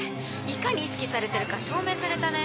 いかに意識されてるか証明されたね。